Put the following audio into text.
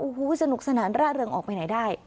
อู้หู้สนุกสนานร่าเรืองออกไปไหนได้